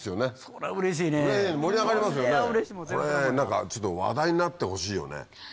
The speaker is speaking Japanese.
これ何か話題になってほしいよね。